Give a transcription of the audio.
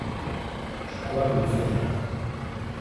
Je crois que vous faites erreur.